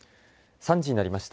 ３時になりました。